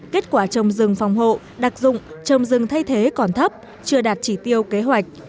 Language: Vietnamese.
kết quả trồng rừng phòng hộ đặc dụng trồng rừng thay thế còn thấp chưa đạt chỉ tiêu kế hoạch